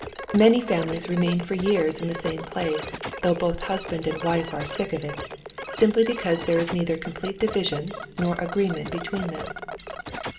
Many families remain for years in the same place, though both husband and wife are sick of it, simply because there is neither complete division nor agreement between them.